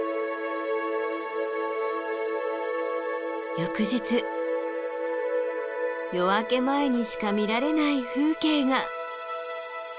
翌日夜明け前にしか見られない風景が。